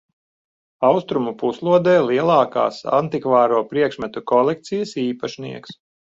Austrumu puslodē lielākās antikvāro priekšmetu kolekcijas īpašnieks.